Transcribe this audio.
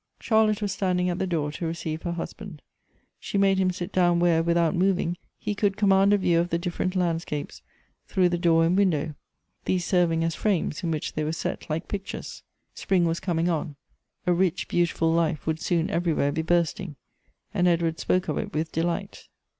Charlotte was standing at the door to receive her hus band. She made him sit down where, without moving, he could command a view of the different landscapes through the door and window — these serving as frames, in which they were set like ])icturcs. Spring was coming on ; a rich, beautiful life would soon everywhere be bursting; and Edward spoke of it with delight.